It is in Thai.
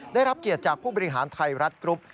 ได้รับเกียรติจากผู้บริหารไทยรัฐกรุ๊ป